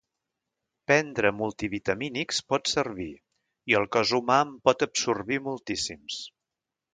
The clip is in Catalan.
Prendre multivitamínics pot servir, i el cos humà en pot absorbir moltíssims.